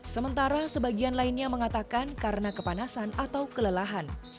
sementara sebagian lainnya mengatakan karena kepanasan atau kelelahan